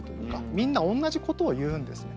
みんなおんなじことを言うんですね。